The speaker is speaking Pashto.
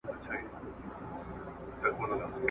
چي ستنې سوي په سېلونو وي پردېسي مرغۍ ..